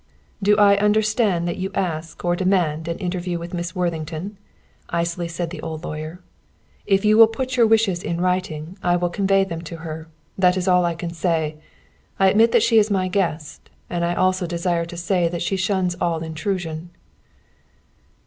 "Do I understand that you ask or demand an interview with Miss Worthington?" icily said the old lawyer. "If you will put your wishes in writing, I will convey them to her. That is all I can say. I admit that she is my guest, and I also desire to say that she shuns all intrusion."